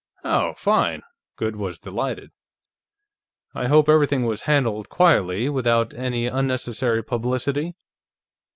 "Oh, fine!" Goode was delighted. "I hope everything was handled quietly, without any unnecessary publicity?